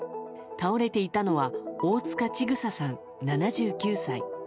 倒れていたのは大塚千種さん、７９歳。